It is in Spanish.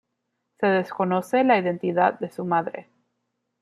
Se desconoce la identidad de su madre.